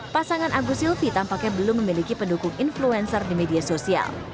pasangan agus silvi tampaknya belum memiliki pendukung influencer di media sosial